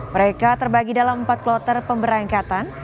mereka terbagi dalam empat kloter pemberangkatan